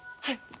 はい。